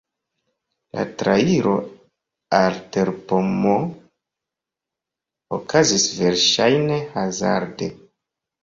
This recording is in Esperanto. La trairo al terpomo okazis verŝajne hazarde.